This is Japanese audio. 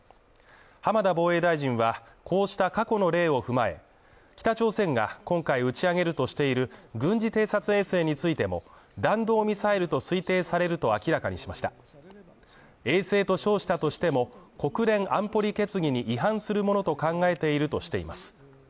浜田防衛大臣はこうした過去の例を踏まえ、北朝鮮が今回打ち上げるとしている軍事偵察衛星についても、弾道ミサイルと推定されると明らかにしました衛星と称したとしても、国連安保理決議に違反するものと考えているとしています。